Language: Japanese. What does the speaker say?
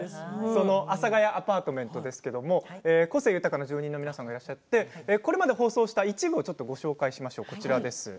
その「阿佐ヶ谷アパートメント」ですけれども個性豊かな住人の皆さんがいらっしゃってこれまで放送した一部をご紹介しましょう。